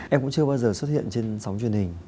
em cũng chưa bao giờ xuất hiện trên sóng truyền hình